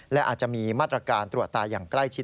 และอาจจะมีมาตรการตรวจตาอย่างใกล้ชิด